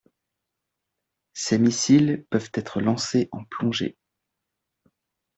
Ces missiles peuvent être lancés en plongée.